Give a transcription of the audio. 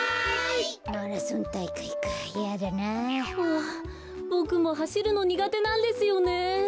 あボクもはしるのにがてなんですよね。